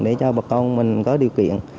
để cho bà con mình có điều kiện